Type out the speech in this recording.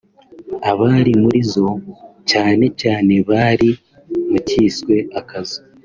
abari muri zo cyane cyane bari mu cyiswe «Akazu »